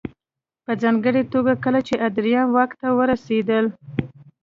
په ځانګړې توګه کله چې ادریان واک ته ورسېدل